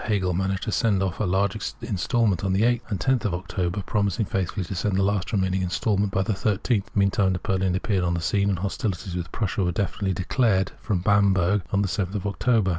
■ Hegel managed to send off large instalments on the 8th' and on 10th of October, promising faithfully to send the last remaining instalment by the 13th. Meantime, Napoleon appeared on the scene, and hostilities with Prussia were definitely declared from Bamberg on the 7th October.